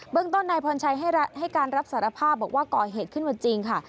ต้นนายพรชัยให้การรับสารภาพบอกว่าก่อเหตุขึ้นมาจริงค่ะ